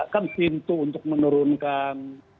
kan pintu untuk menurunkan